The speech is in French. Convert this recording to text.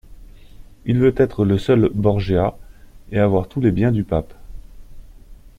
Il veut être le seul Borgia, et avoir tous les biens du pape.